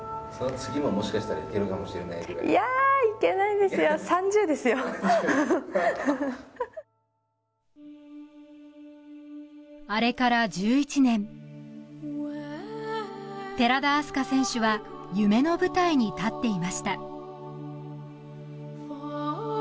確かにあれから１１年寺田明日香選手は夢の舞台に立っていました